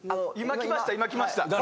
今きました！